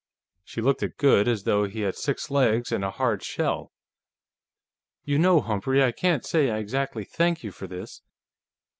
She looked at Goode as though he had six legs and a hard shell. "You know, Humphrey, I can't say I exactly thank you for this."